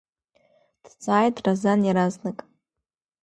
Дҵааит Разан иаразнак.